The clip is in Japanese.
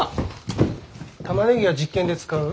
タマネギは実験で使う。